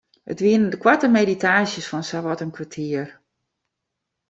It wiene koarte meditaasjes fan sawat in kertier.